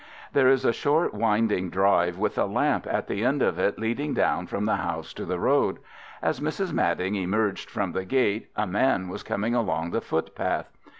There is a short, winding drive with a lamp at the end of it leading down from the house to the road. As Mrs. Madding emerged from the gate a man was coming along the footpath.